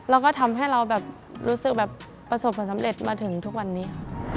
แล้วก็ทำให้เราแบบรู้สึกแบบประสบความสำเร็จมาถึงทุกวันนี้ค่ะ